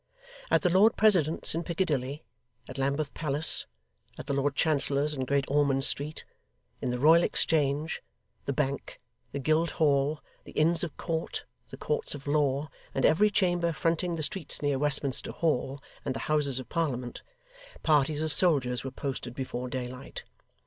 At the Lord President's in Piccadilly, at Lambeth Palace, at the Lord Chancellor's in Great Ormond Street, in the Royal Exchange, the Bank, the Guildhall, the Inns of Court, the Courts of Law, and every chamber fronting the streets near Westminster Hall and the Houses of Parliament, parties of soldiers were posted before daylight.